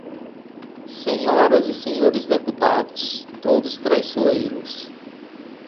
Senhoras e Senhores Deputados, todos traiçoeiros.